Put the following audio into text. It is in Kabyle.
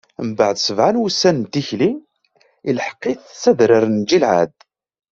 Mbeɛd sebɛa n wussan n tikli, ilḥeq-it s adrar n Gilɛad.